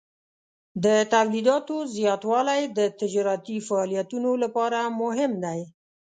د تولیداتو زیاتوالی د تجارتي فعالیتونو لپاره مهم دی.